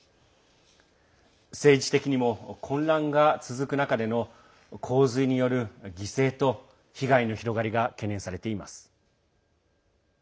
政治的にも混乱が続く中での洪水による犠牲と被害の広がりが懸念されています。